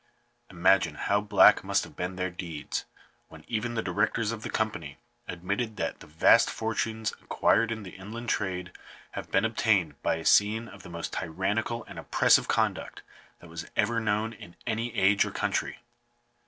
Imagine how black must have been their deeds, when even the Directors of the Company admitted that "the vast fortunes acquired in the inland trade have been obtained by a scene of the most tyran nical and oppressive conduct that was ever known in any age or country